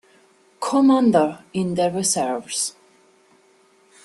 Commander in the reserves.